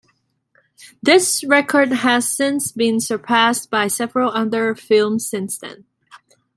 This record has since been surpassed by several other films since then.